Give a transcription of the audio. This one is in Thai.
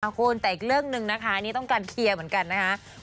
คุณแต่อีกเรื่องหนึ่งนะคะนี่ต้องการเคลียร์เหมือนกันนะคะ